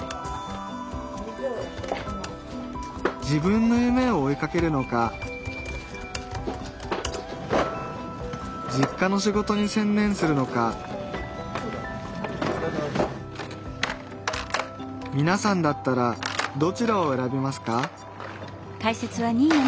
自分の夢を追いかけるのか実家の仕事に専念するのかみなさんだったらどちらを選びますか？